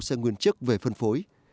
xe nguyên chiếc về phân phối